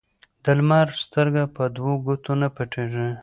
ـ د لمر سترګه په دو ګوتو نه پټيږي.